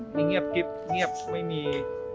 เงียบกิ๊บเงียบไม่มี